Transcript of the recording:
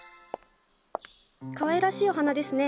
かわいらしいお花ですね。